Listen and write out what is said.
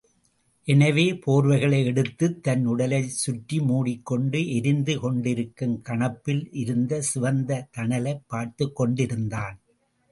எனவே போர்வைகளை எடுத்துத் தன் உடலைச் சுற்றி மூடிக்கொண்டு எரிந்து கொண்டிருக்கும் கணப்பில் இருந்த சிவந்த தணலைப் பார்த்துக்கொண்டிருந்தான்.